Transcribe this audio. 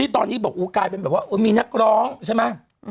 ตอนนี้บอกอู๋กายว่ามีนักร้องใช่ไหม